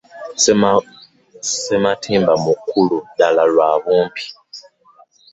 Ssematimba mukulu ddala lwa bumpi.